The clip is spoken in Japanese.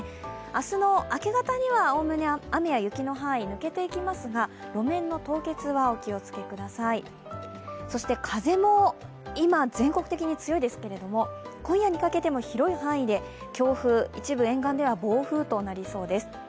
明日の明け方にはおおむね雨や雪の範囲抜けていきますが路面の凍結は、お気をつけくださいそして風も今、全国的に強いですけど今夜にかけても広い範囲で強風、一部沿岸では暴風となりそうです。